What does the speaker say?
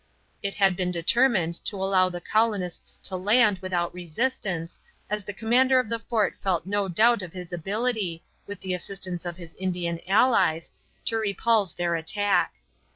It had been determined to allow the colonists to land without resistance, as the commander of the fort felt no doubt of his ability, with the assistance of his Indian allies, to repulse their attack.